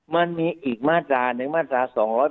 มันมีอีกมาตราหนึ่งมาตรา๒๗